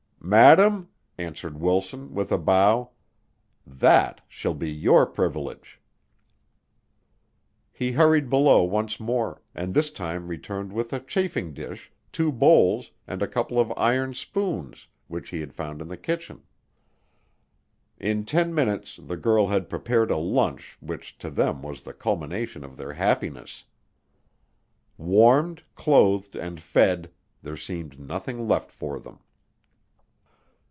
"Madame," answered Wilson, with a bow, "that shall be your privilege." He hurried below once more, and this time returned with a chafing dish, two bowls, and a couple of iron spoons which he had found in the kitchen. In ten minutes the girl had prepared a lunch which to them was the culmination of their happiness. Warmed, clothed, and fed, there seemed nothing left for them.